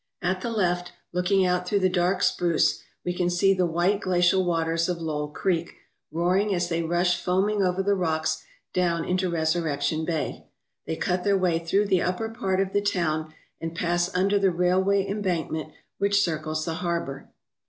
At the left, looking out through the dark spruce, we can see the white glacial waters of Lowell Creek roaring as they rush foaming over the rocks down into Resurrection Bay. They cut their way through the upper part of the town and pass under the railway embankment which circles the harbour.